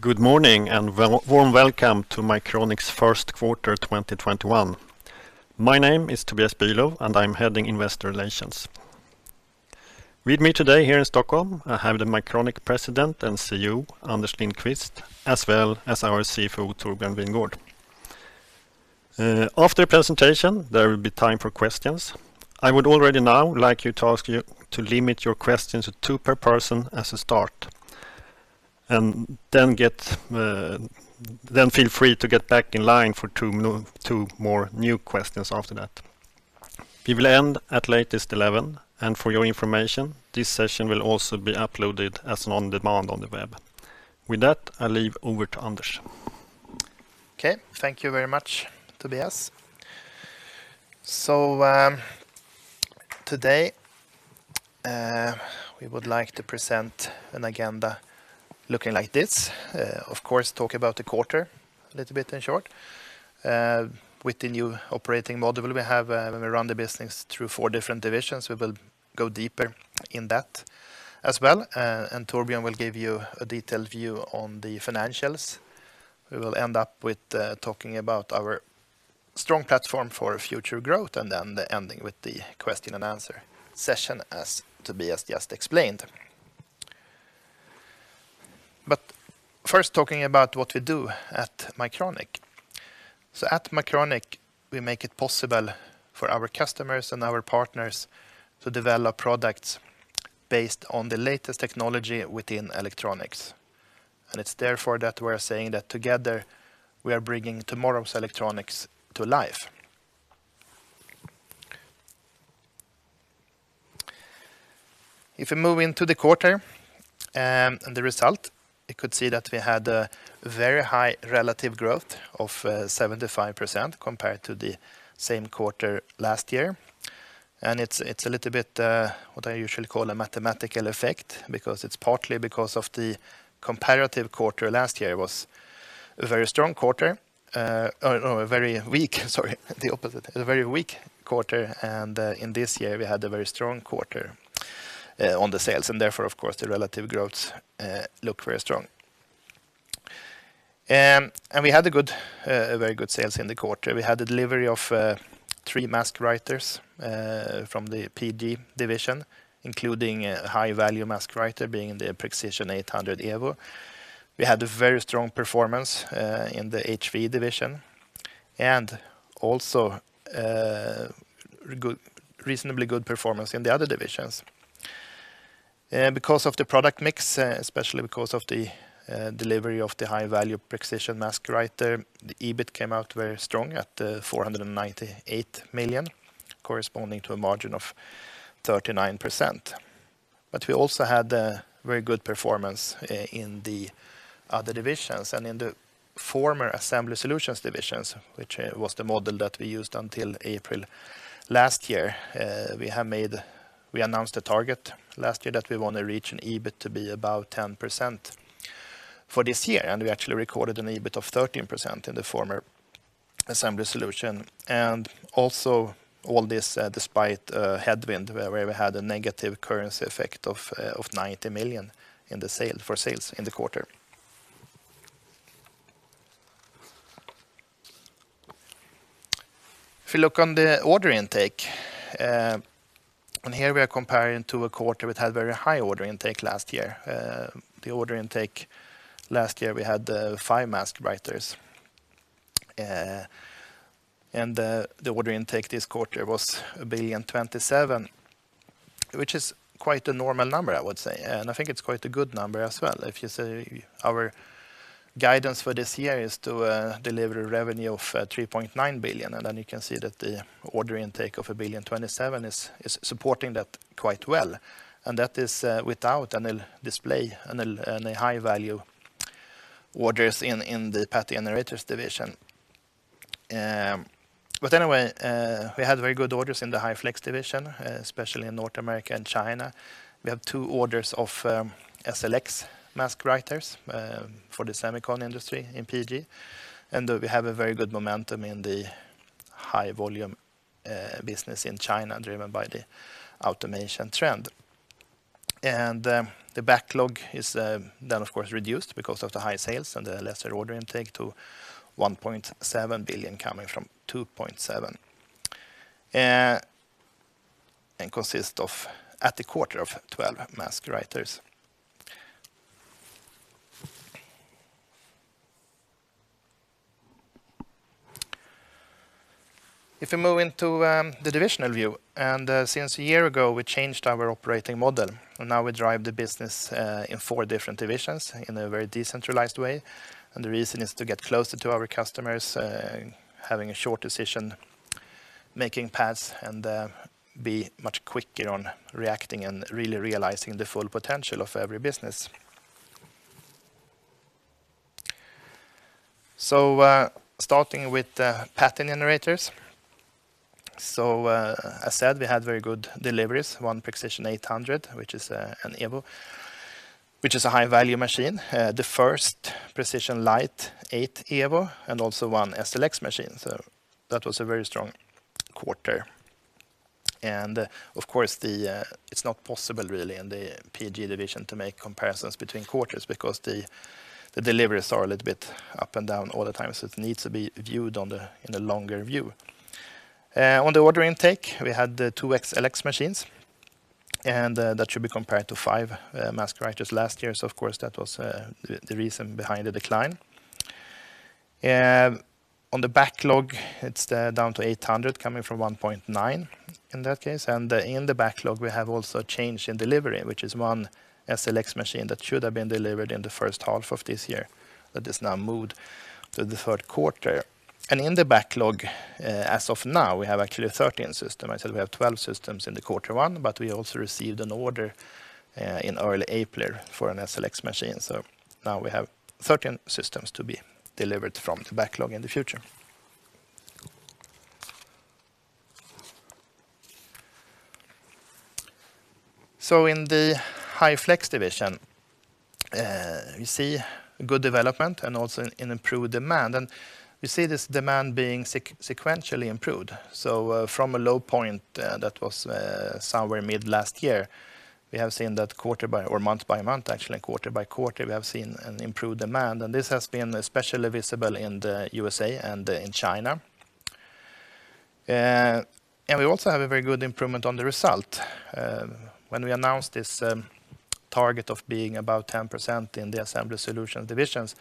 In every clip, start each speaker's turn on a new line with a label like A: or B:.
A: Good morning. Warm welcome to Mycronic's first quarter 2021. My name is Tobias Bülow, and I'm heading Investor Relations. With me today here in Stockholm, I have the Mycronic President and CEO, Anders Lindqvist, as well as our CFO, Torbjörn Wingårdh. After the presentation, there will be time for questions. I would already now like to ask you to limit your questions to two per person as a start, and then feel free to get back in line for two more new questions after that. We will end at latest 11:00. For your information, this session will also be uploaded as an on-demand on the web. With that, I leave over to Anders.
B: Okay. Thank you very much, Tobias. Today, we would like to present an agenda looking like this. Of course, talk about the quarter a little bit in short, with the new operating model we have when we run the business through four different divisions. We will go deeper in that as well. Torbjörn will give you a detailed view on the financials. We will end up with talking about our strong platform for future growth, and then ending with the question and answer session as Tobias just explained. First talking about what we do at Mycronic. At Mycronic, we make it possible for our customers and our partners to develop products based on the latest technology within electronics. It's therefore that we're saying that together we are bringing tomorrow's electronics to life. If we move into the quarter and the result, you could see that we had a very high relative growth of 75% compared to the same quarter last year. It's a little bit what I usually call a mathematical effect because it's partly because of the comparative quarter last year was a very weak quarter, in this year, we had a very strong quarter on the sales and therefore, of course, the relative growth look very strong. We had a very good sales in the quarter. We had the delivery of three mask writers from the PG division, including a high-value mask writer being in the Prexision 800 Evo. We had a very strong performance in the HV division and also reasonably good performance in the other divisions. Because of the product mix, especially because of the delivery of the high-value Prexision mask writer, the EBIT came out very strong at 498 million, corresponding to a margin of 39%. We also had a very good performance in the other divisions and in the former Assembly Solutions divisions, which was the model that we used until April last year. We announced a target last year that we want to reach an EBIT to be about 10% for this year, and we actually recorded an EBIT of 13% in the former Assembly Solutions. Also all this despite a headwind where we had a negative currency effect of 90 million for sales in the quarter. If you look on the order intake, here we are comparing to a quarter which had very high order intake last year. The order intake last year, we had five mask writers. The order intake this quarter was 1,027 million which is quite a normal number, I would say. I think it's quite a good number as well. If you say our guidance for this year is to deliver a revenue of 3.9 billion, you can see that the order intake of 1,027 million is supporting that quite well. That is without any display, any high-value orders in the Pattern Generators division. Anyway, we had very good orders in the High Flex division, especially in North America and China. We have two orders of SLX mask writers for the semiconductor industry in Pattern Generators. We have a very good momentum in the High Volume business in China, driven by the automation trend. The backlog is then of course reduced because of the high sales and the lesser order intake to 1.7 billion coming from 2.7 billion, and consist of at the quarter of 12 mask writers. If we move into the divisional view, since a year ago, we changed our operating model, and now we drive the business in 4 different divisions in a very decentralized way. The reason is to get closer to our customers, having a short decision making paths, and be much quicker on reacting and really realizing the full potential of every business. Starting with the Pattern Generators. As said, we had very good deliveries, one Prexision 800, which is an Evo, which is a high-value machine. The first Prexision Lite 8 Evo and also one SLX machine. That was a very strong quarter. Of course, it's not possible really in the PG division to make comparisons between quarters because the deliveries are a little bit up and down all the time, so it needs to be viewed in a longer view. On the order intake, we had the two SLX machines, and that should be compared to five mask writers last year. Of course, that was the reason behind the decline. On the backlog, it's down to 800 coming from 1.9 in that case, and in the backlog we have also a change in delivery, which is one SLX machine that should have been delivered in the first half of this year that is now moved to the third quarter. In the backlog, as of now, we have actually 13 systems. I said we have 12 systems in the quarter one. We also received an order in early April for an SLX machine. Now we have 13 systems to be delivered from the backlog in the future. In the High Flex division, we see good development and also an improved demand. We see this demand being sequentially improved. From a low point that was somewhere mid-last year, we have seen that month by month, actually, quarter by quarter, we have seen an improved demand. This has been especially visible in the U.S.A. and in China. We also have a very good improvement on the result. When we announced this target of being about 10% in the Assembly Solutions divisions,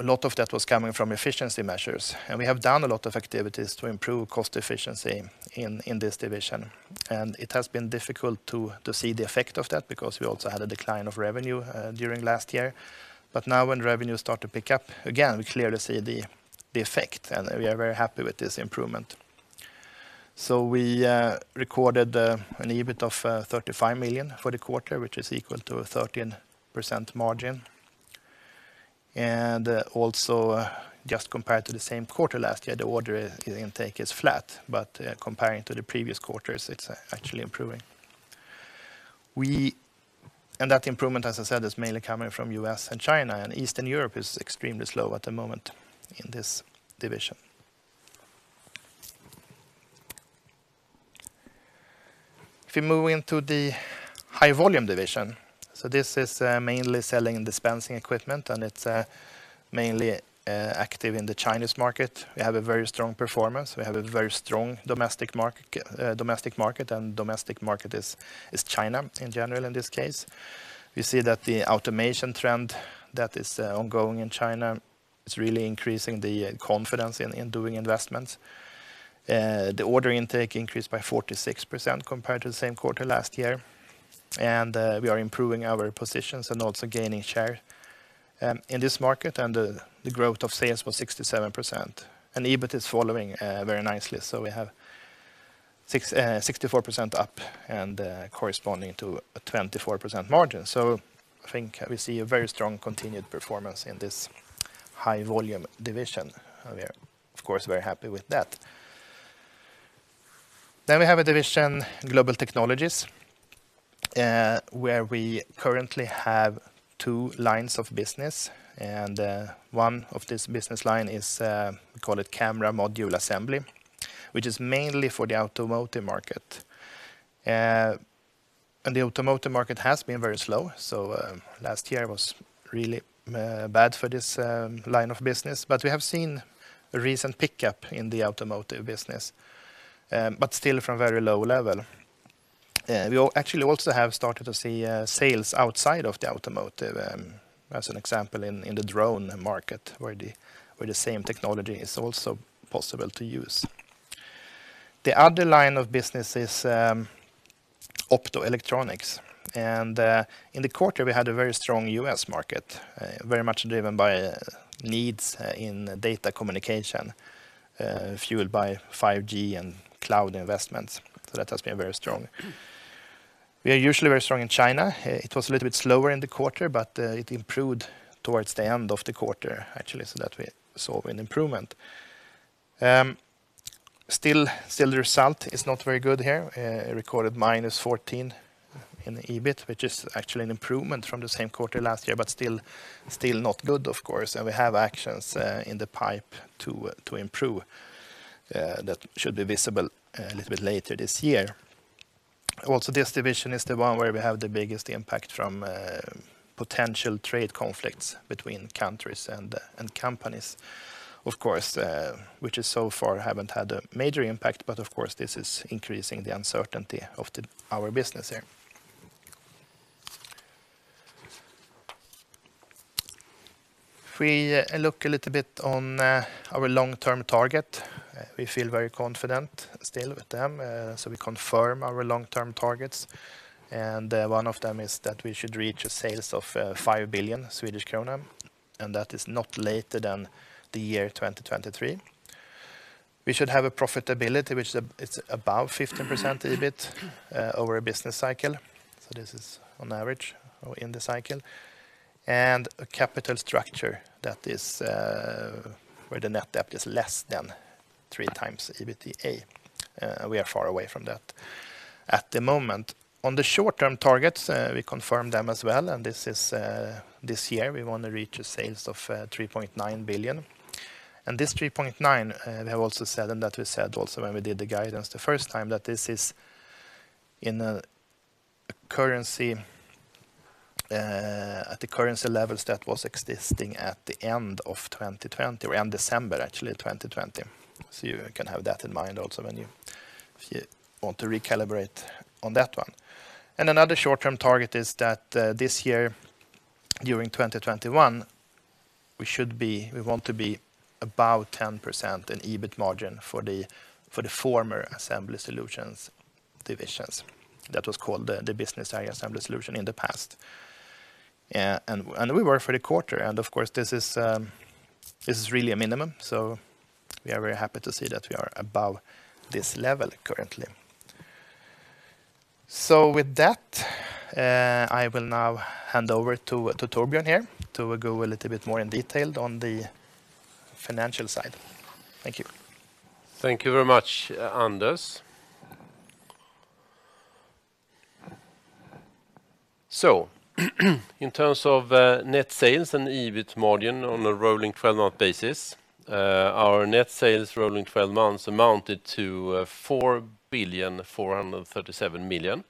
B: a lot of that was coming from efficiency measures. We have done a lot of activities to improve cost efficiency in this division. It has been difficult to see the effect of that because we also had a decline of revenue during last year. Now when revenue start to pick up again, we clearly see the effect. We are very happy with this improvement. We recorded an EBIT of 35 million for the quarter, which is equal to a 13% margin. Also just compared to the same quarter last year, the order intake is flat, comparing to the previous quarters, it's actually improving. That improvement, as I said, is mainly coming from U.S. and China, Eastern Europe is extremely slow at the moment in this division. If we move into the High Volume division, this is mainly selling and dispensing equipment, it is mainly active in the Chinese market. We have a very strong performance. We have a very strong domestic market, domestic market is China in general in this case. We see that the automation trend that is ongoing in China is really increasing the confidence in doing investments. The order intake increased by 46% compared to the same quarter last year. We are improving our positions and also gaining share in this market, the growth of sales was 67%, EBIT is following very nicely. We have 64% up and corresponding to a 24% margin. I think we see a very strong continued performance in this High Volume division. We are, of course, very happy with that. We have a division, Global Technologies, where we currently have two lines of business, and one of this business line is, we call it camera module assembly, which is mainly for the automotive market. The automotive market has been very slow, so last year was really bad for this line of business. We have seen a recent pickup in the automotive business, but still from very low level. We actually also have started to see sales outside of the automotive, as an example, in the drone market, where the same technology is also possible to use. The other line of business is optoelectronics, and in the quarter, we had a very strong U.S. market, very much driven by needs in data communication, fueled by 5G and cloud investments. That has been very strong. We are usually very strong in China. It was a little bit slower in the quarter, but it improved towards the end of the quarter, actually, so that we saw an improvement. Still, the result is not very good here. Recorded -14 in the EBIT, which is actually an improvement from the same quarter last year, but still not good, of course. We have actions in the pipe to improve that should be visible a little bit later this year. Also, this division is the one where we have the biggest impact from potential trade conflicts between countries and companies, of course, which is so far haven't had a major impact, but of course, this is increasing the uncertainty of our business here. If we look a little bit on our long-term target, we feel very confident still with them. We confirm our long-term targets. One of them is that we should reach a sales of SEK 5 billion, and that is not later than 2023. We should have a profitability which is above 15% EBIT over a business cycle. This is on average or in the cycle. A capital structure that is where the net debt is less than 3x EBITDA. We are far away from that at the moment. On the short-term targets, we confirm them as well. This is this year, we want to reach a sales of 3.9 billion. This 3.9, we have also said, and that we said also when we did the guidance the first time, that this is at the currency levels that was existing at the end of 2020, around December, actually, 2020. You can have that in mind also if you want to recalibrate on that one. Another short-term target is that this year, during 2021, we want to be about 10% in EBIT margin for the former Assembly Solutions divisions. That was called the Business Area Assembly Solution in the past. We were for the quarter, and of course, this is really a minimum. We are very happy to see that we are above this level currently. With that, I will now hand over to Torbjörn here to go a little bit more in detailed on the financial side. Thank you.
C: Thank you very much, Anders. In terms of net sales and EBIT margin on a rolling 12-month basis, our net sales rolling 12 months amounted to 4,437,000,000,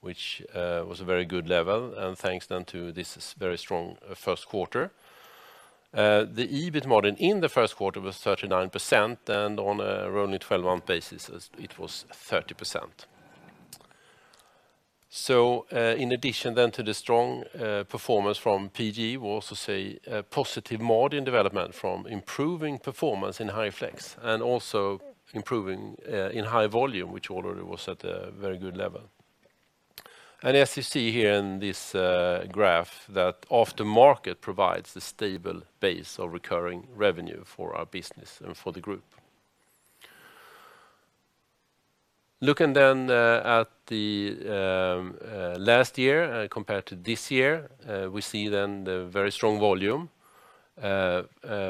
C: which was a very good level, and thanks then to this very strong first quarter. The EBIT margin in the first quarter was 39%, and on a rolling 12-month basis, it was 30%. In addition then to the strong performance from PG, we also see a positive margin development from improving performance in High Flex and also improving in High Volume, which already was at a very good level. As you see here in this graph, that Aftermarket provides a stable base of recurring revenue for our business and for the group. Looking then at the last year compared to this year, we see then the very strong volume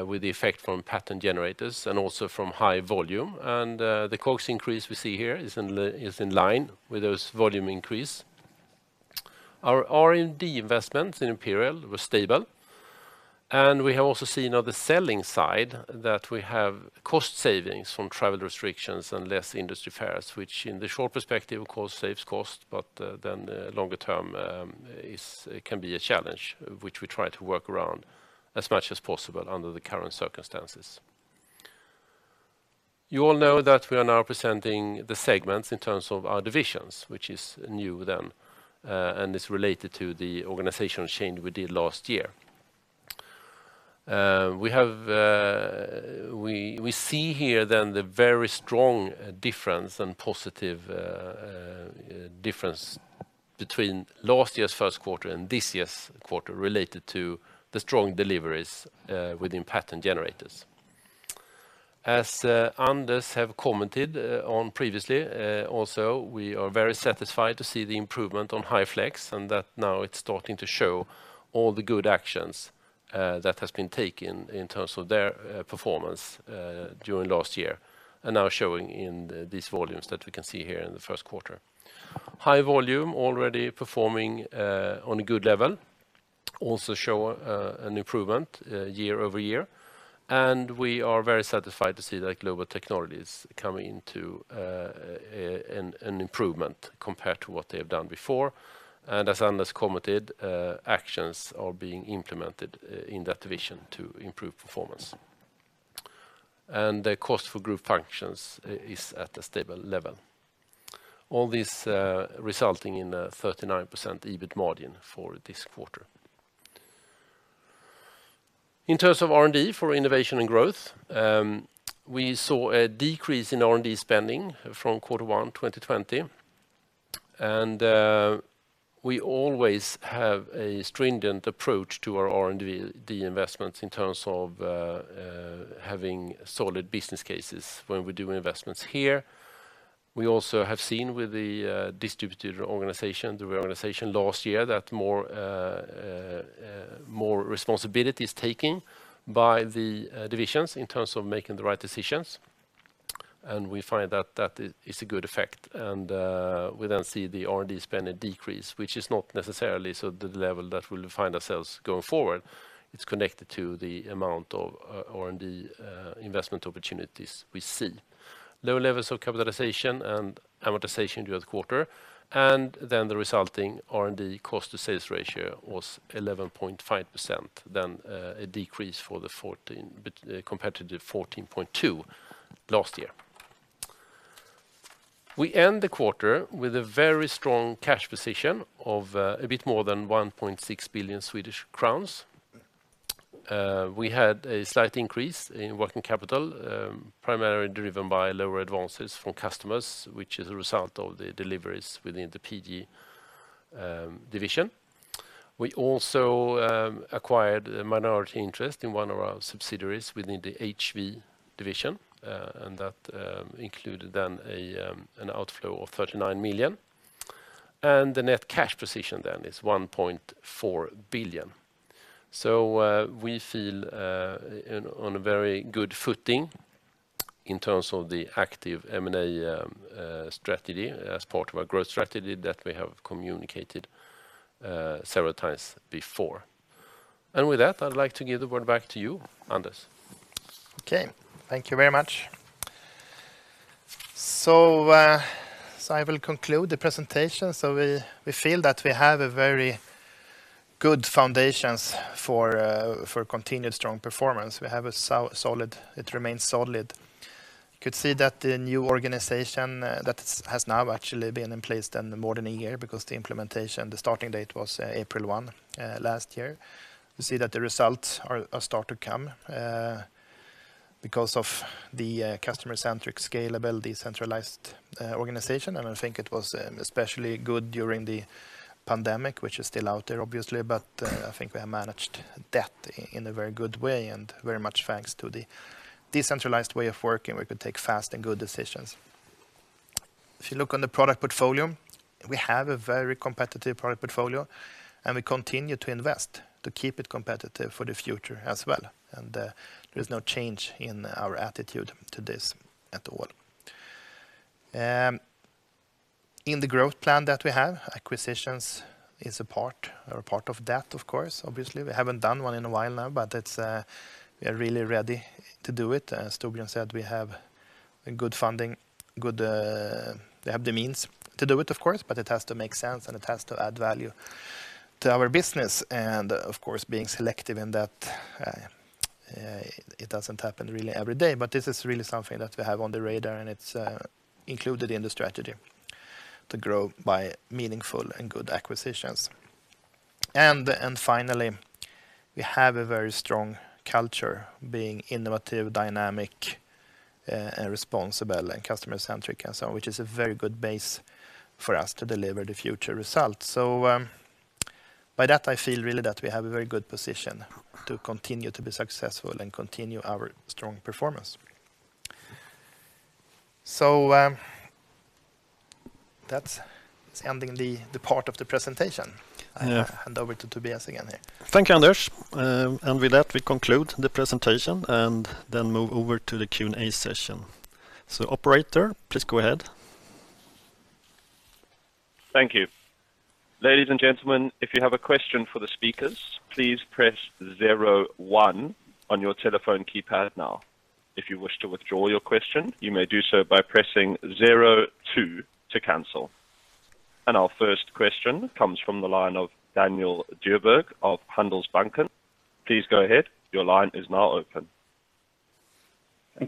C: with the effect from Pattern Generators and also from High Volume. The COGS increase we see here is in line with this volume increase. Our R&D investment in Imperial was stable, and we have also seen on the selling side that we have cost savings from travel restrictions and less industry fairs, which in the short perspective, of course, saves cost, but then longer term can be a challenge, which we try to work around as much as possible under the current circumstances. You all know that we are now presenting the segments in terms of our divisions, which is new then, and it's related to the organizational change we did last year. We see here the very strong difference and positive difference between last year's first quarter and this year's quarter related to the strong deliveries within Pattern Generators. As Anders have commented on previously, also, we are very satisfied to see the improvement on High Flex, and that now it's starting to show all the good actions that has been taken in terms of their performance during last year, and now showing in these volumes that we can see here in the first quarter. High Volume already performing on a good level, also show an improvement year-over-year. We are very satisfied to see that Global Technologies is coming into an improvement compared to what they have done before. As Anders commented, actions are being implemented in that division to improve performance. The cost for group functions is at a stable level. All this resulting in a 39% EBIT margin for this quarter. In terms of R&D for innovation and growth, we saw a decrease in R&D spending from quarter one 2020. We always have a stringent approach to our R&D investments in terms of having solid business cases when we're doing investments here. We also have seen with the distributed organization, the reorganization last year that more responsibility is taken by the divisions in terms of making the right decisions. We find that that is a good effect. We then see the R&D spending decrease, which is not necessarily the level that we'll find ourselves going forward. It's connected to the amount of R&D investment opportunities we see. Low levels of capitalization and amortization during the quarter. The resulting R&D cost to sales ratio was 11.5%, then a decrease compared to the 14.2% last year. We end the quarter with a very strong cash position of a bit more than 1.6 billion Swedish crowns. We had a slight increase in working capital, primarily driven by lower advances from customers, which is a result of the deliveries within the PG division. We also acquired a minority interest in one of our subsidiaries within the HV division, and that included then an outflow of 39 million.
A: The net cash position is 1.4 billion. We feel on a very good footing in terms of the active M&A strategy as part of our growth strategy that we have communicated several times before. With that, I'd like to give the word back to you, Anders.
B: Okay. Thank you very much. I will conclude the presentation. We feel that we have a very good foundations for continued strong performance. It remains solid. You could see that the new organization that has now actually been in place then more than a year because the implementation, the starting date was April 1 last year. You see that the results are start to come because of the customer-centric, scalable, decentralized organization. I think it was especially good during the pandemic, which is still out there, obviously. I think we have managed that in a very good way and very much thanks to the decentralized way of working. We could take fast and good decisions. If you look on the product portfolio, we have a very competitive product portfolio. We continue to invest to keep it competitive for the future as well. There is no change in our attitude to this at all. In the growth plan that we have, acquisitions is a part, or part of that, of course. Obviously, we haven't done one in a while now, but we are really ready to do it. As Tobias said, we have good funding, we have the means to do it, of course, but it has to make sense, and it has to add value to our business. Of course, being selective in that it doesn't happen really every day, but this is really something that we have on the radar, and it's included in the strategy to grow by meaningful and good acquisitions. Finally, we have a very strong culture being innovative, dynamic, and responsible, and customer-centric, and so on, which is a very good base for us to deliver the future results. By that, I feel really that we have a very good position to continue to be successful and continue our strong performance. That's ending the part of the presentation.
A: Yeah.
B: I hand over to Tobias again here.
A: Thank you, Anders. With that, we conclude the presentation and then move over to the Q&A session. Operator, please go ahead.
D: Thank you, ladies and gentlemen if you have a question for the speakers, please press zero one on your telephone keypad now. If you wish to withdraw your question, you may do so by pressing zero two to cancel. Our first question comes from the line of Daniel Djurberg of Handelsbanken. Please go ahead.
E: Thank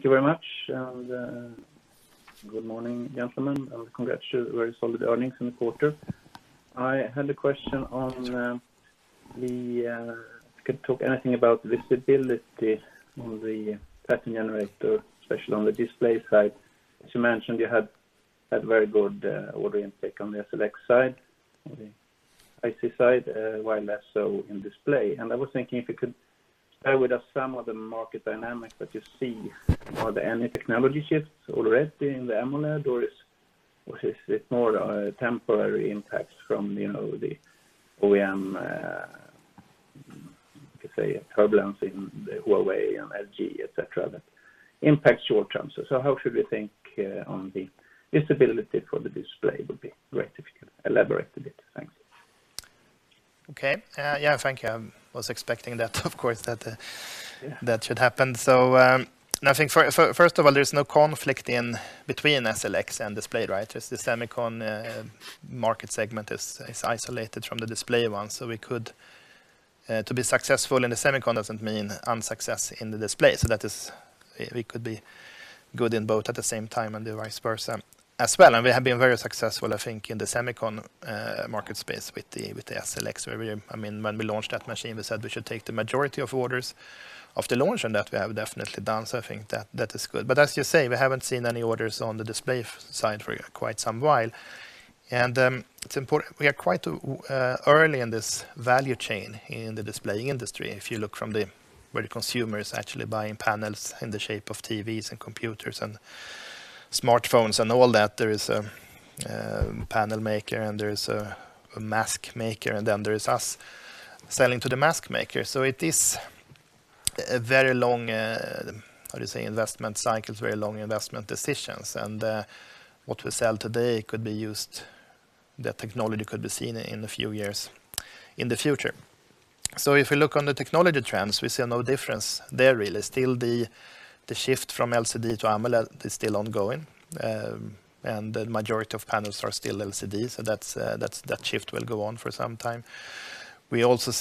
E: you very much. Good morning, gentlemen. Congrats to the very solid earnings in the quarter. I had a question if you could talk anything about visibility on the Pattern Generators, especially on the display side. As you mentioned, you had that very good order intake on the SLX side, on the IC side, while less so in display. I was thinking if you could share with us some of the market dynamics that you see. Are there any technology shifts already in the AMOLED, or is it more temporary impacts from the OEM, you could say turbulence in Huawei and LG, et cetera, that impacts short term? How should we think on the visibility for the display? It would be great if you could elaborate a bit. Thanks.
B: Okay. Yeah, thank you. I was expecting of course that should happen. I think first of all, there's no conflict between SLX and display, right? Just the semicon market segment is isolated from the display one. To be successful in the semicon doesn't mean unsuccess in the display. We could be good in both at the same time and vice versa as well. We have been very successful, I think, in the semicon market space with the SLX. When we launched that machine, we said we should take the majority of orders of the launch, and that we have definitely done, so I think that is good. As you say, we haven't seen any orders on the display side for quite some while. We are quite early in this value chain in the display industry, if you look from where the consumer is actually buying panels in the shape of TVs and computers and smartphones and all that. There is a panel maker and there is a mask maker, and then there is us selling to the mask maker. It is a very long, how do you say? Investment cycles, very long investment decisions. What we sell today could be used, the technology could be seen in a few years in the future. If we look on the technology trends, we see no difference there really. Still the shift from LCD to AMOLED is still ongoing. The majority of panels are still LCD, so that shift will go on for some time. We also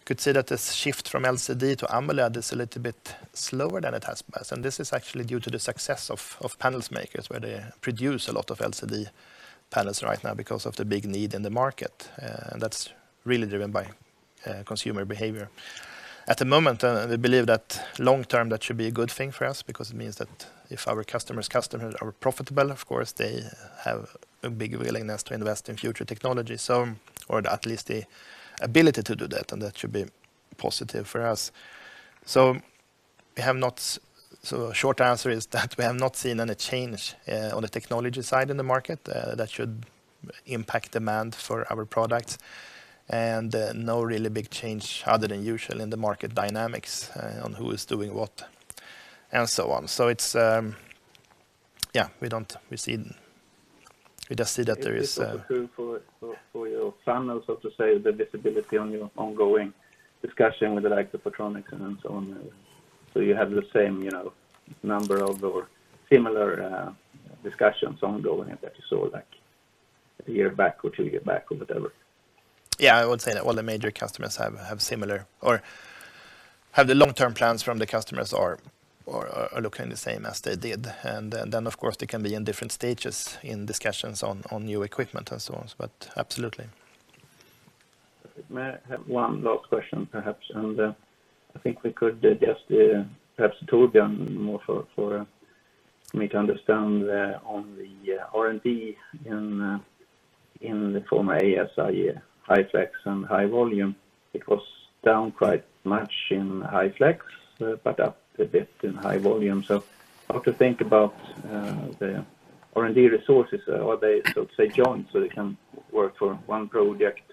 B: see that this increase in complexity for displays are also there, still there, no change in that, as well as the area of displays and so on. Also new technologies coming in in forms of micro-LED and mini-LED and stuff like that. We don't really see any difference in the drivers long term at all. You could say that this shift from LCD to AMOLED is a little bit slower than it has been, and this is actually due to the success of panels makers, where they produce a lot of LCD panels right now because of the big need in the market. That's really driven by consumer behavior. At the moment, we believe that long-term, that should be a good thing for us because it means that if our customer's customers are profitable, of course, they have a big willingness to invest in future technology, or at least the ability to do that, and that should be positive for us. Short answer is that we have not seen any change on the technology side in the market that should impact demand for our product, and no really big change other than usual in the market dynamics on who is doing what, and so on.
E: Is this also true for your funnel, so to say, the visibility on your ongoing discussion with the likes of Photronics and so on? You have the same number of similar discussions ongoing as you saw a year back or two year back or whatever?
B: Yeah, I would say that all the major customers have similar, or have the long-term plans from the customers are looking the same as they did. Of course, they can be in different stages in discussions on new equipment and so on. Absolutely.
E: May I have one last question, perhaps, and I think we could just perhaps, Torbjörn, more for me to understand on the R&D in the former ASI High Flex and High Volume. It was down quite much in High Flex, but up a bit in High Volume. How to think about the R&D resources? Are they joint, so they can work for one project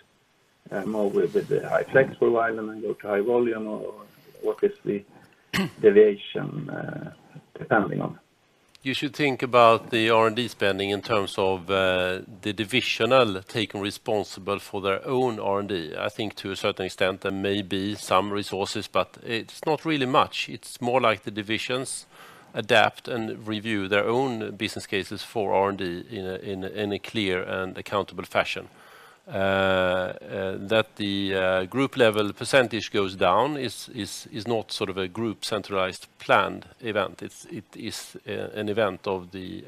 E: more with the High Flex for a while and then go to High Volume, or what is the deviation depending on?
C: You should think about the R&D spending in terms of the divisional taking responsible for their own R&D. I think to a certain extent there may be some resources, but it's not really much. It's more like the divisions adapt and review their own business cases for R&D in a clear and accountable fashion. That the group level percentage goes down is not sort of a group centralized planned event. It is an event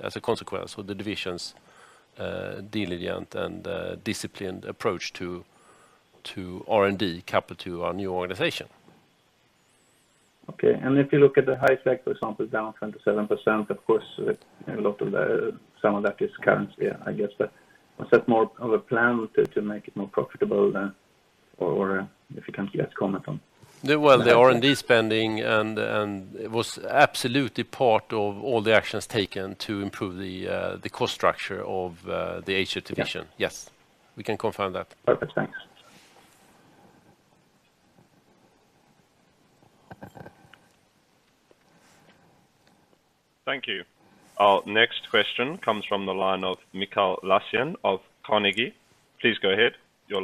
C: as a consequence of the divisions' due diligent and disciplined approach to R&D coupled to our new organization.
E: Okay. If you look at the High Flex, for example, down 27%, of course, some of that is currency, I guess. Was that more of a plan to make it more profitable then, or if you can just comment on that?
C: Well, the R&D spending, it was absolutely part of all the actions taken to improve the cost structure of the ASI division.
E: Yeah.
C: Yes. We can confirm that.
E: Perfect. Thanks.
D: Thank you. Our next question comes from the line of Mikael Laséen of Carnegie. Please go ahead.
F: Good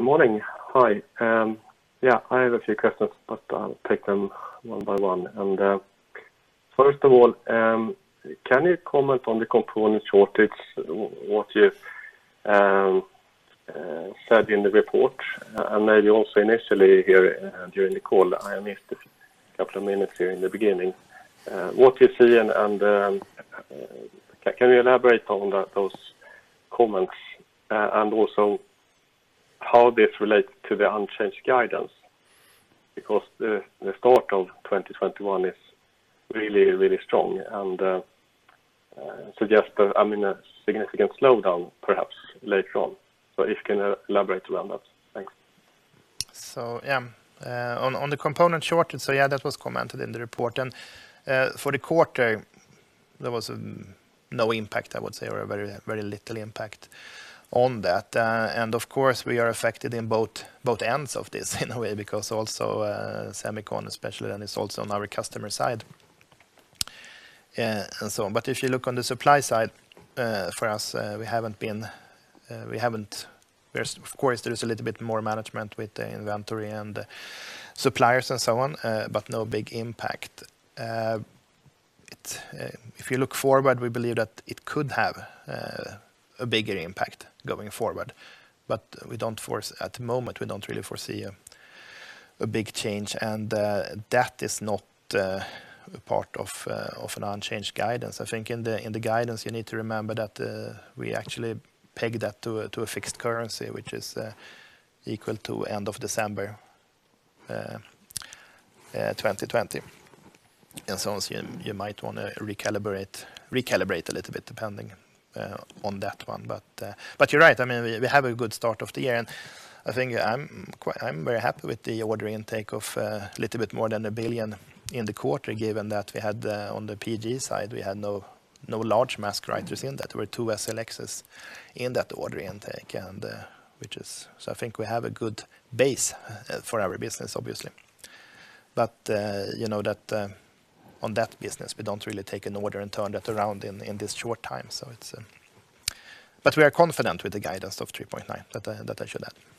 F: morning. Hi. I have a few questions. I'll take them one by one. First of all, can you comment on the component shortage, what you said in the report, and maybe also initially here during the call? I missed a couple of minutes here in the beginning. What you're seeing. Can you elaborate on those comments, and also how this relates to the unchanged guidance? The start of 2021 is really strong, and suggests a significant slowdown perhaps later on. If you can elaborate around that. Thanks.
B: On the component shortage, that was commented in the report, and for the quarter, there was no impact, I would say, or very little impact on that. Of course, we are affected in both ends of this in a way because also semicon, especially then it's also on our customer side, and so on. If you look on the supply side for us, of course, there is a little bit more management with the inventory and suppliers and so on, but no big impact. If you look forward, we believe that it could have a bigger impact going forward. At the moment, we don't really foresee a big change, and that is not part of an unchanged guidance. I think in the guidance, you need to remember that we actually pegged that to a fixed currency, which is equal to end of December 2020, and so on. You might want to recalibrate a little bit depending on that one. You're right. We have a good start of the year, and I think I'm very happy with the order intake of a little bit more than 1 billion in the quarter, given that we had on the PG side, we had no large mask writers in that. There were two SLXs in that order intake. I think we have a good base for our business, obviously. On that business, we don't really take an order and turn that around in this short time. We are confident with the guidance of 3.9 billion, that I should add.
F: Okay. Thanks.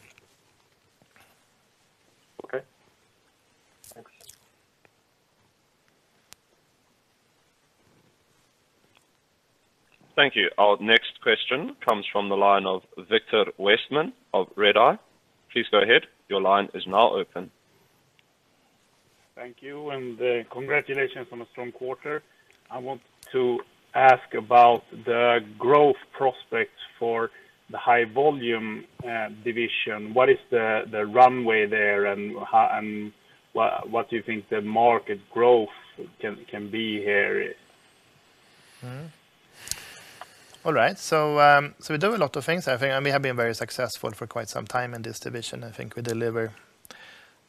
D: Thank you. Our next question comes from the line of Viktor Westman of Redeye. Please go ahead.
G: Thank you. Congratulations on a strong quarter. I want to ask about the growth prospects for the High Volume division. What is the runway there? What do you think the market growth can be here?
B: All right. We do a lot of things, I think, and we have been very successful for quite some time in this division. I think we deliver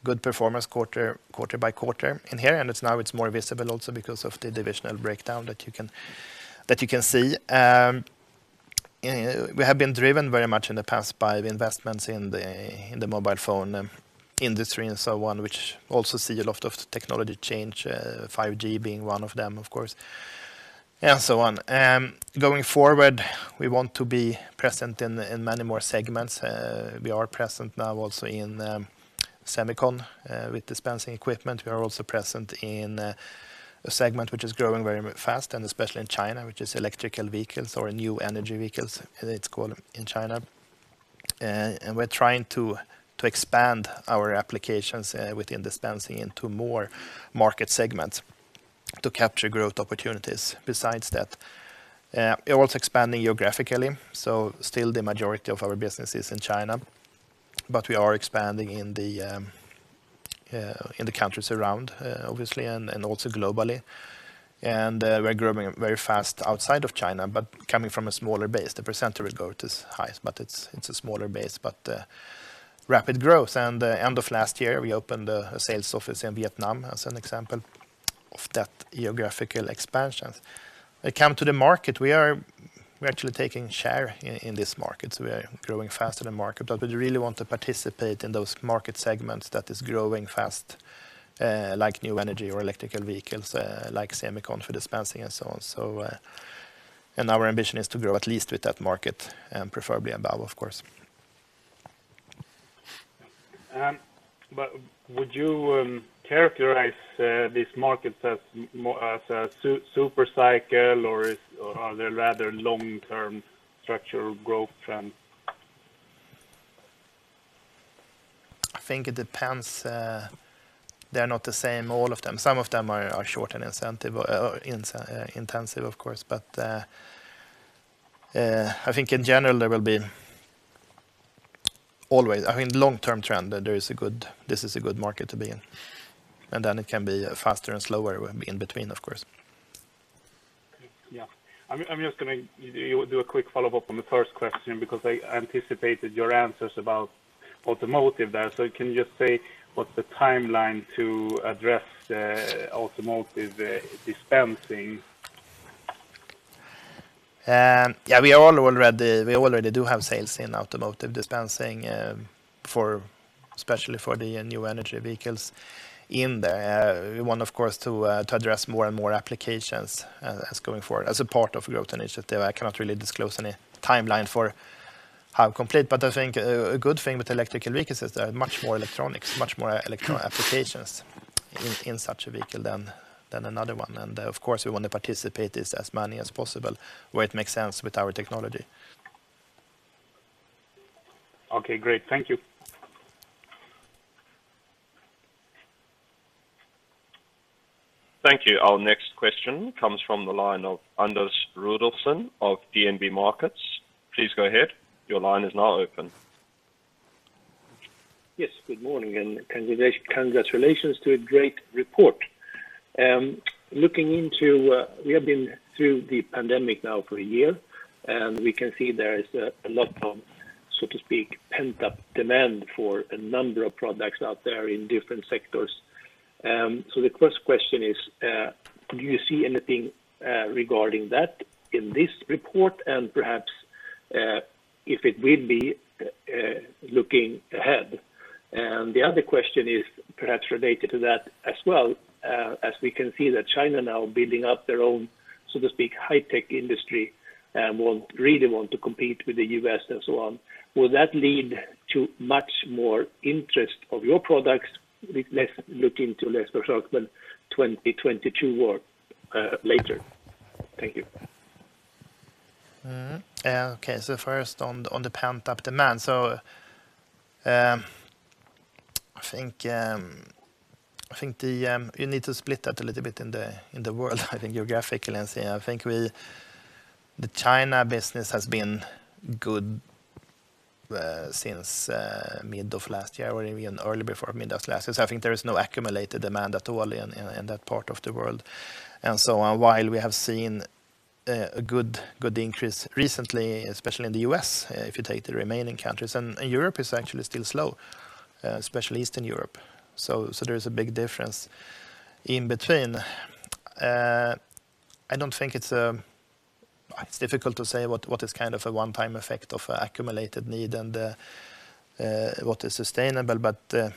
B: good performance quarter by quarter in here, and now it's more visible also because of the divisional breakdown that you can see. We have been driven very much in the past by the investments in the mobile phone industry and so on, which also see a lot of technology change, 5G being one of them, of course, and so on. Going forward, we want to be present in many more segments. We are present now also in the semicon with dispensing equipment. We are also present in a segment which is growing very fast, and especially in China, which is electrical vehicles or new energy vehicles, it's called in China. We're trying to expand our applications within dispensing into more market segments to capture growth opportunities besides that. We're also expanding geographically. Still the majority of our business is in China, but we are expanding in the countries around, obviously, and also globally. We're growing very fast outside of China, but coming from a smaller base. The percentage growth is high, but it's a smaller base, but rapid growth. End of last year, we opened a sales office in Vietnam as an example of that geographical expansion. When it come to the market, we are actually taking share in this market, so we are growing faster than market, but we really want to participate in those market segments that is growing fast, like new energy or electrical vehicles, like semicon for dispensing and so on. Our ambition is to grow at least with that market, and preferably above, of course.
G: Would you characterize these markets as a super cycle, or are they rather long-term structural growth trend?
B: I think it depends. They're not the same, all of them. Some of them are short and intensive, of course. I think in general, there will be always, long-term trend, this is a good market to be in. Then it can be faster and slower in between, of course.
G: Yeah. I'm just going to do a quick follow-up on the first question because I anticipated your answers about automotive there. Can you just say what's the timeline to address the automotive dispensing?
B: Yeah, we already do have sales in automotive dispensing, especially for the new energy vehicles in there. We want, of course, to address more and more applications as going forward as a part of growth initiative. I cannot really disclose any timeline for how complete, but I think a good thing with electrical vehicles is there are much more electronics, much more electronic applications in such a vehicle than another one. Of course, we want to participate as many as possible where it makes sense with our technology.
G: Okay, great. Thank you.
D: Thank you. Our next question comes from the line of Anders Rudolfsson of DNB Markets. Please go ahead. Your line is now open.
H: Yes, good morning, and congratulations to a great report. We have been through the pandemic now for a year, and we can see there is a lot of, so to speak, pent-up demand for a number of products out there in different sectors. The first question is, do you see anything regarding that in this report and perhaps, if it will be, looking ahead? The other question is perhaps related to that as well, as we can see that China now building up their own, so to speak, high-tech industry and really want to compete with the U.S. and so on. Will that lead to much more interest of your products looking to late 2022 or later? Thank you.
B: Okay. First on the pent-up demand. I think you need to split that a little bit in the world, I think geographically. I think the China business has been good since mid of last year or even early before mid of last year. I think there is no accumulated demand at all in that part of the world. While we have seen a good increase recently, especially in the U.S., if you take the remaining countries, Europe is actually still slow, especially Eastern Europe. There's a big difference in between. It's difficult to say what is a one-time effect of accumulated need and what is sustainable. I think if you look on the sequential development, I think we have a step-by-step improvement. It doesn't really say that it's one good month and that's it. That is very difficult to say what is what. The other question there about China and the technology, I think it's. The same actually goes for other regions as well. U.S. and Europe also want to be independent, and we could see parallel supply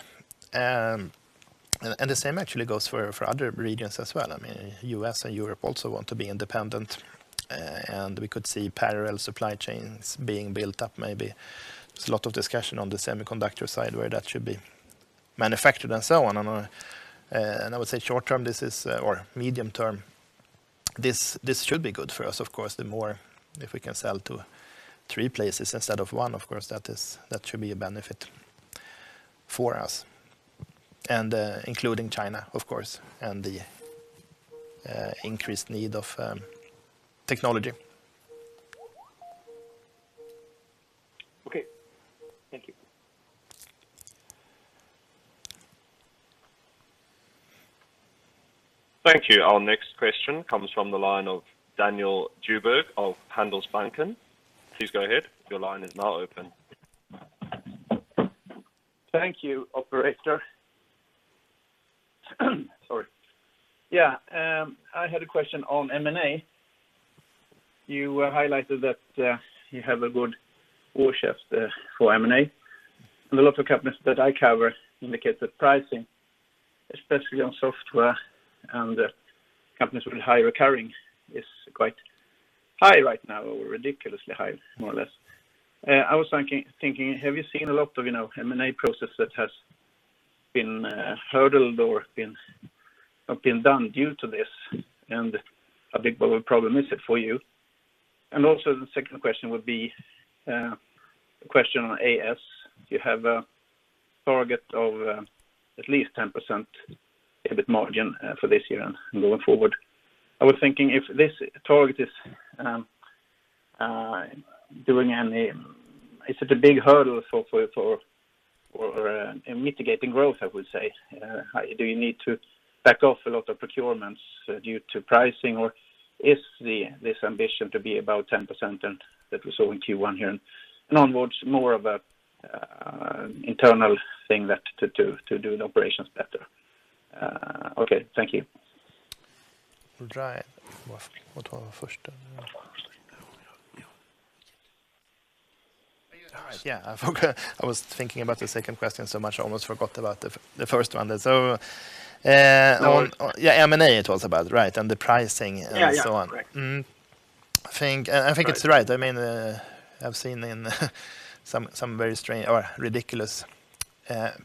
B: chains being built up maybe. There's a lot of discussion on the semiconductor side where that should be manufactured and so on. I would say short-term or medium-term, this should be good for us, of course. The more, if we can sell to three places instead of one, of course, that should be a benefit for us, and including China, of course, and the increased need of technology.
H: Okay. Thank you.
D: Thank you. Our next question comes from the line of Daniel Djurberg of Handelsbanken. Please go ahead.
E: Thank you, operator. Sorry. Yeah. I had a question on M&A. You highlighted that you have a good war chest for M&A. A lot of companies that I cover indicate that pricing, especially on software and companies with high recurring, is quite high right now, or ridiculously high, more or less. I was thinking, have you seen a lot of M&A process that has been hurdled or been done due to this? How big of a problem is it for you? Also, the second question would be a question on AS. You have a target of at least 10% EBIT margin for this year and going forward. I was thinking if this target is a big hurdle for mitigating growth, I would say? Do you need to back off a lot of procurements due to pricing? Is this ambition to be about 10% and that we saw in Q1 here and onwards more of an internal thing that to do the operations better? Okay. Thank you.
B: All right. What was the first one? All right. Yeah. I was thinking about the second question so much, I almost forgot about the first one.
E: No worries.
B: Yeah, M&A it was about, right, and the pricing and so on.
E: Yeah. Correct.
B: I think it's right. I've seen some very strange or ridiculous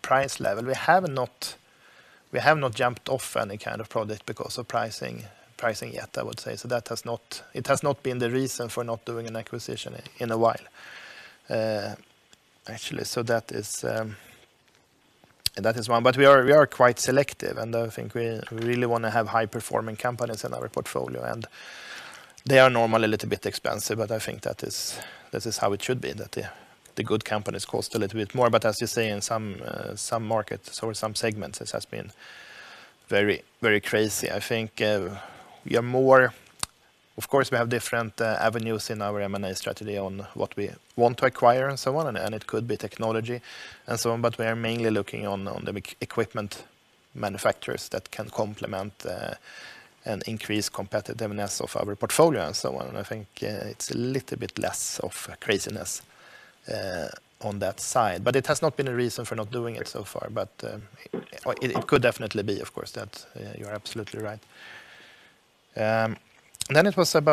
B: price level. We have not jumped off any kind of project because of pricing yet, I would say. It has not been the reason for not doing an acquisition in a while, actually. That is one. We are quite selective, and I think we really want to have high performing companies in our portfolio. They are normally a little bit expensive,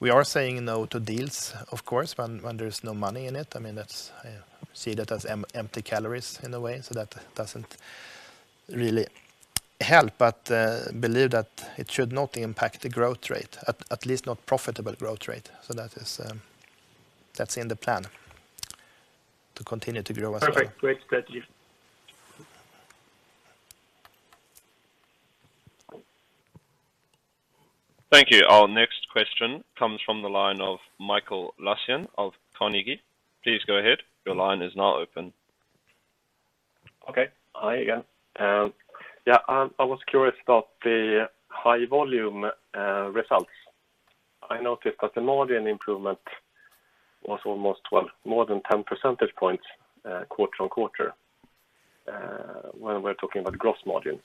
B: We are saying no to deals, of course, when there's no money in it. I see that as empty calories in a way. That doesn't really help. Believe that it should not impact the growth rate, at least not profitable growth rate. That's in the plan, to continue to grow as well.
E: Perfect. Great. Thank you.
D: Thank you. Our next question comes from the line of Mikael Laséen of Carnegie. Please go ahead.
F: Okay. Hi again. I was curious about the High Volume results. I noticed that the margin improvement was almost, well, more than 10 percentage points quarter-on-quarter when we're talking about gross margin.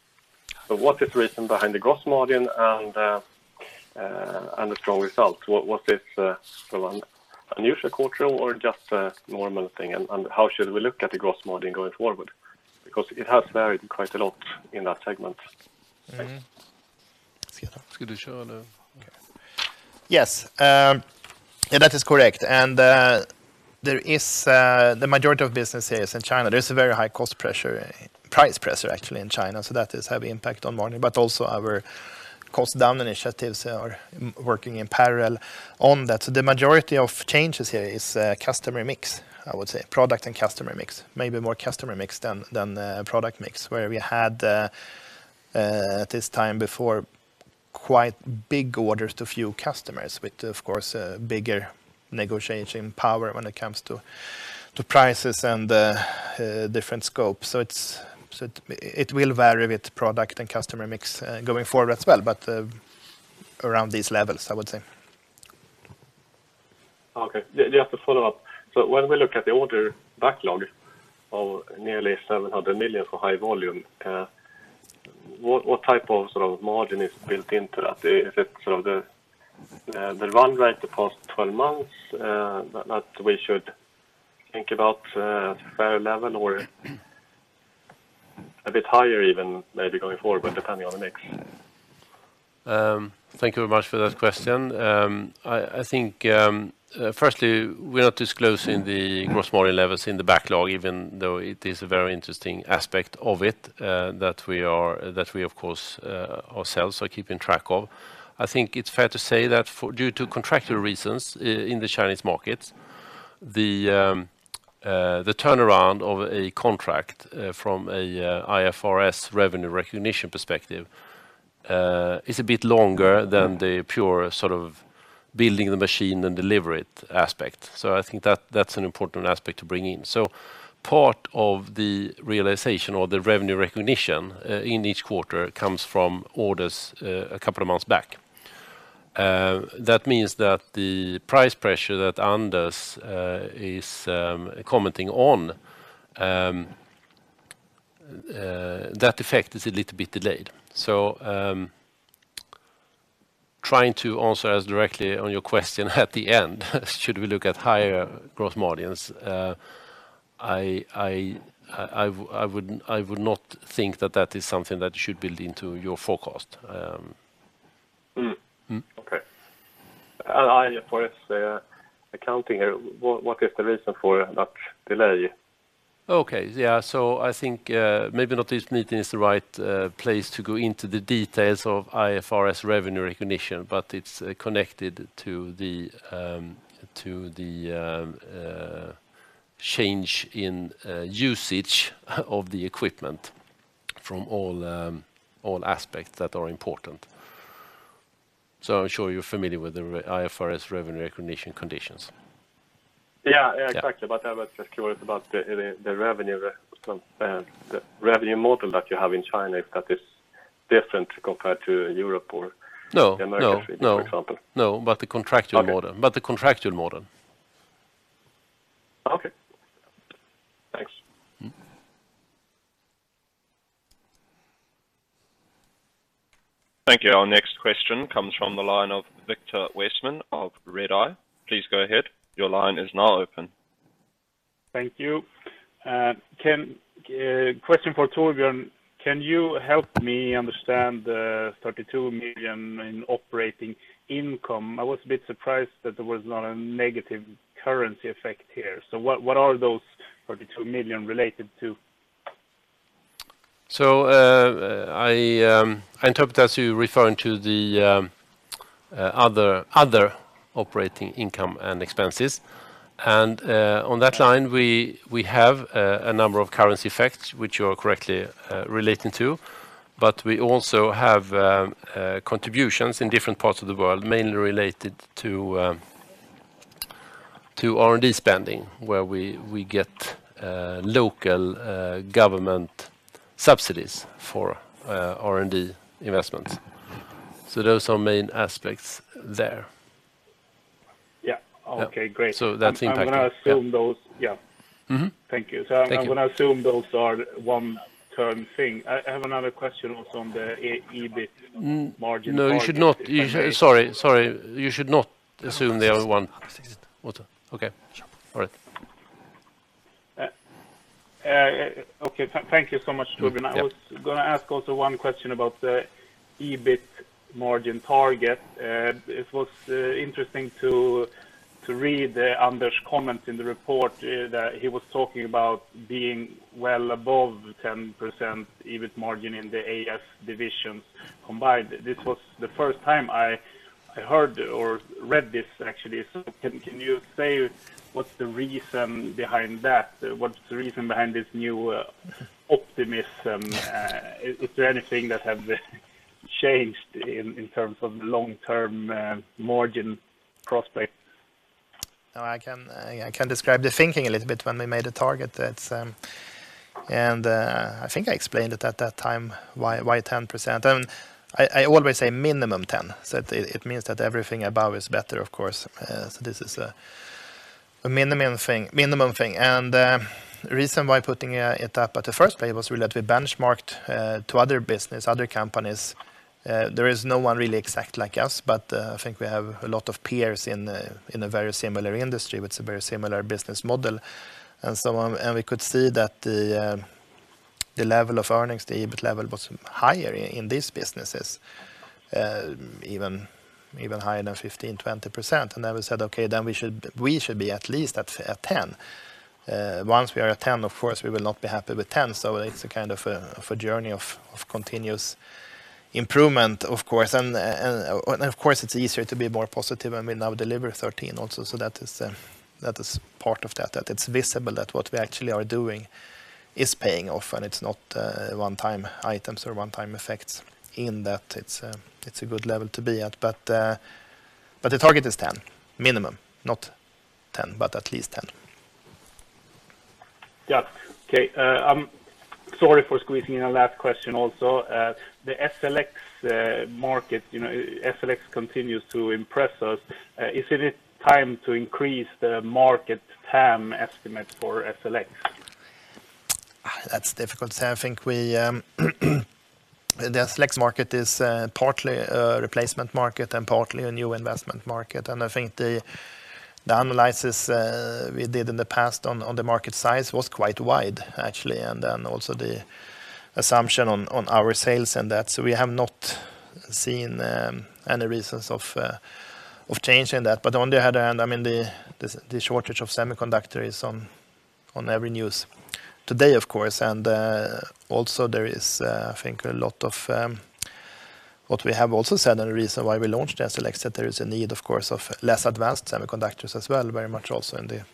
F: What is the reason behind the gross margin and the strong results? Was this an unusual quarter or just a normal thing? How should we look at the gross margin going forward? Because it has varied quite a lot in that segment. Thanks.
B: Yes. That is correct. The majority of businesses in China, there is a very high price pressure in China, so that is having impact on margin, but also our cost down initiatives are working in parallel on that. The majority of changes here is customer mix, I would say. Product and customer mix, maybe more customer mix than product mix, where we had at this time before quite big orders to few customers, with, of course, bigger negotiating power when it comes to prices and different scope. It will vary with product and customer mix going forward as well, but around these levels, I would say.
F: Okay. Just to follow up. When we look at the order backlog of nearly 700 million for High Volume, what type of margin is built into that? Is it the run rate the past 12 months that we should think about fair level or a bit higher even maybe going forward, depending on the mix?
C: Thank you very much for that question. I think, firstly, we are not disclosing the gross margin levels in the backlog, even though it is a very interesting aspect of it, that we, of course, ourselves are keeping track of. I think it's fair to say that due to contractual reasons in the Chinese market, the turnaround of a contract from a IFRS revenue recognition perspective is a bit longer than the pure building the machine and deliver it aspect. I think that's an important aspect to bring in. Part of the realization or the revenue recognition in each quarter comes from orders a couple of months back. That means that the price pressure that Anders is commenting on, that effect is a little bit delayed. Trying to answer as directly on your question at the end, should we look at higher gross margins? I would not think that that is something that you should build into your forecast.
F: Okay. IFRS accounting, what is the reason for that delay?
C: Okay. Yeah. I think maybe not this meeting is the right place to go into the details of IFRS revenue recognition, but it's connected to the change in usage of the equipment from all aspects that are important. I'm sure you're familiar with the IFRS revenue recognition conditions.
F: Yeah, exactly. I was just curious about the revenue model that you have in China, if that is different compared to Europe or?
C: No
F: the Americas, for example.
C: No, the contractual model.
F: Okay. Thanks.
D: Thank you. Our next question comes from the line of Viktor Westman of Redeye. Please go ahead.
G: Thank you. Question for Torbjörn. Can you help me understand the 32 million in operating income? I was a bit surprised that there was not a negative currency effect here. What are those 32 million related to?
C: I interpret as you referring to the other operating income and expenses. On that line, we have a number of currency effects which you are correctly relating to, but we also have contributions in different parts of the world, mainly related to R&D spending, where we get local government subsidies for R&D investments. Those are main aspects there.
G: Yeah. Okay, great.
C: That's impacting.
G: I'm going to assume those. Yeah. Thank you.
C: Thank you.
G: I'm going to assume those are one-term thing. I have another question also on the EBIT margin-
C: No, you should not. Sorry. You should not assume they are one. Okay. All right.
G: Okay. Thank you so much, Torbjörn.
C: Yeah.
G: I was going to ask also one question about the EBIT margin target. It was interesting to read Anders' comments in the report that he was talking about being well above 10% EBIT margin in the AS divisions combined. This was the first time I heard or read this, actually. Can you say what's the reason behind that? What's the reason behind this new optimism? Is there anything that have changed in terms of long-term margin prospects?
B: I can describe the thinking a little bit when we made a target. I think I explained it at that time, why 10%. I always say minimum 10. It means that everything above is better, of course. This is a minimum thing. The reason why putting it up at the first place was really that we benchmarked to other business, other companies. There is no one really exact like us, but I think we have a lot of peers in a very similar industry with a very similar business model, and we could see that the level of earnings, the EBIT level was higher in these businesses, even higher than 15%-20%. Then we said, Okay, then we should be at least at 10. Once we are at 10, of course, we will not be happy with 10, so it's a kind of a journey of continuous improvement, of course. Of course, it's easier to be more positive, and we now deliver 13 also, so that is part of that. That it's visible that what we actually are doing is paying off, and it's not one-time items or one-time effects in that it's a good level to be at. The target is 10 minimum, not 10, but at least 10.
G: Yeah. Okay. Sorry for squeezing in a last question also. The SLX market, SLX continues to impress us. Is it time to increase the market TAM estimate for SLX?
B: That's difficult to say. I think the SLX market is partly a replacement market and partly a new investment market. I think the analysis we did in the past on the market size was quite wide, actually. Then also the assumption on our sales and that. We have not seen any reasons of changing that. On the other hand, the shortage of semiconductor is on every news today, of course. Also there is, I think, a lot of what we have also said, and the reason why we launched the SLX, that there is a need, of course, of less advanced semiconductors as well, very much also in the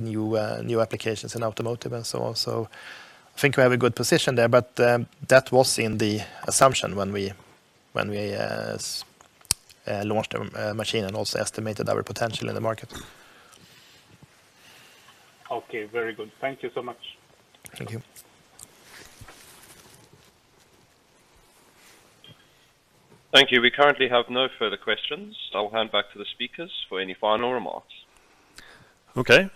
B: new applications in automotive and so on. I think we have a good position there, but that was in the assumption when we launched the machine and also estimated our potential in the market.
G: Okay. Very good. Thank you so much.
B: Thank you.
D: Thank you. We currently have no further questions. I'll hand back to the speakers for any final remarks.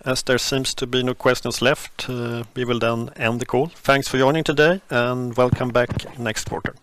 B: As there seems to be no questions left, we will then end the call. Thanks for joining today, and welcome back next quarter.